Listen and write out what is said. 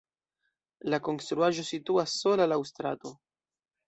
La konstruaĵo situas sola laŭ strato.